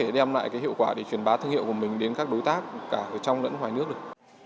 đây là hiệu quả để truyền bá thương hiệu của mình đến các đối tác cả ở trong lẫn ngoài nước